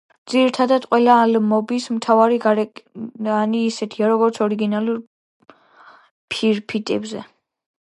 ძირითადად, ყველა ალბომის მთავარი გარეკანი ისეთია, როგორც ორიგინალურ ფირფიტებზე.